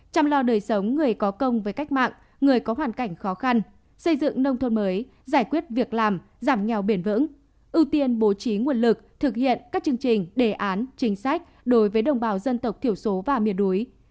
chăm lo đời sống người có công với cách mạng người có hoàn cảnh khó khăn xây dựng nông thôn mới giải quyết việc làm giảm nghèo bền vững ưu tiên bố trí nguồn lực thực hiện các chương trình đề án chính sách đối với đồng bào dân tộc thiểu số và miền núi